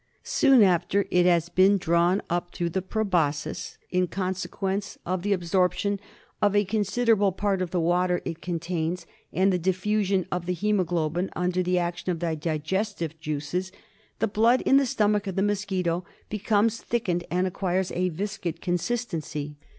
Soon after it has been drawn up through the proboscis, in consequence of the absorption of a considerable part of the water it contains and the diffusion of the haemoglobin under the action of the digestive juices, the blood in the stomach of the mosquito becomes thickened and acquires a viscid consistency.